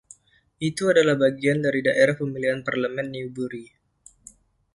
Itu adalah bagian dari daerah pemilihan parlemen Newbury.